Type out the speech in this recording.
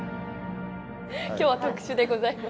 今日は特殊でございます。